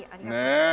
ねえ。